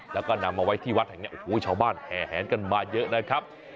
แล้วก็นำมาไว้ที่วัดแห่งนี้โอ้โหชาวบ้านแห่แหนกันมาเยอะนะครับ